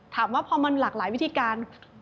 ถามว่าพอมันหลากหลายวิธีการ